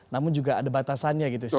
namun juga ada batasannya gitu ya